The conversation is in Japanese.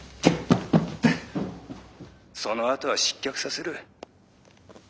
「そのあとは失脚させる」。